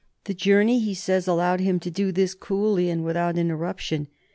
The journey, he says, allowed him to do this coolly and without interruption.